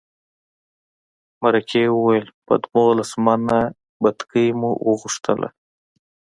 مرکې وویل په دولس منه بتکۍ مو وغوښتله.